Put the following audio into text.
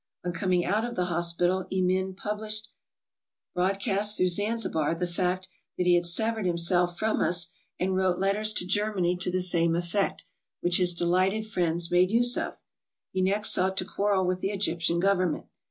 On coming out of the hospital Emin published broadcast through Zanzibar the fact that he had severed himself from us, and wrote letters to Germany to the same effect, which his delighted friends made use of. He next sought to quarrel with the Egyptian Government.